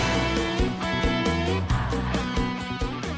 warung siapa doi